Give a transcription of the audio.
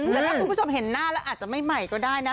แต่ถ้าคุณผู้ชมเห็นหน้าแล้วอาจจะไม่ใหม่ก็ได้นะ